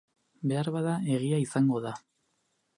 Beharbada, egia izango da.